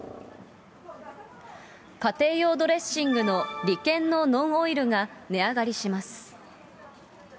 家庭用ドレッシングのリケンのノンオイルが値上がりします。